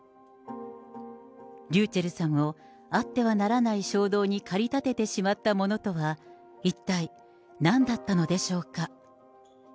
ｒｙｕｃｈｅｌｌさんをあってはならない衝動に駆り立ててしまったものとは、一体なんだったのでしょうか。